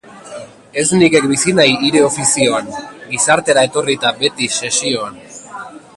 Ez nikek bizi nahi hire ofizioan, gizartera etorrita beti sesioan.